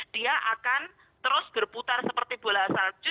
dia akan terus berputar seperti bola salju